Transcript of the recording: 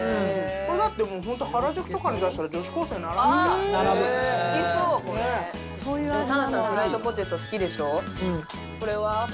これだってもう本当原宿とかで出したら女子高生とか並ぶんじ田辺さん、フライドポテト好きでしょ？